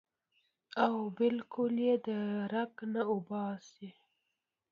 او بالکل ئې د ړق نه اوباسي -